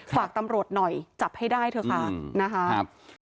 ฝากตำรวจหน่อยจับให้ได้เถอะค่ะนะคะ